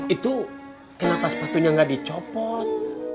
itu kenapa sepatunya nggak dicopot